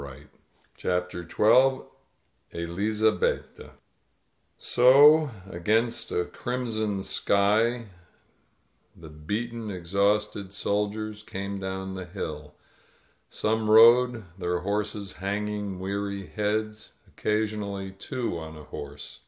••• CHAPTER Xn ELIZABETTA SO, against a crimson sky, the beaten, exhausted soldiers came down the hill. Some rode, their horses hanging we&ry heads — occasionally two on a horse.